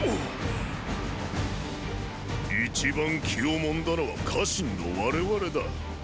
一番気をもんだのは家臣の我々だ。